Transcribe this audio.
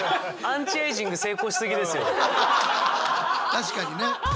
確かにね。